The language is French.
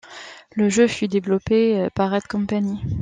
Le jeu fut développé par Red Company.